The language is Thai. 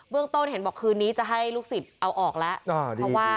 ต้นเห็นบอกคืนนี้จะให้ลูกศิษย์เอาออกแล้ว